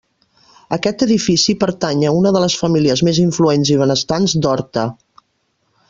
Aquest edifici pertany a una de les famílies més influents i benestants d'Horta.